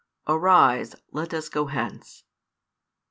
Arise, let us go hence.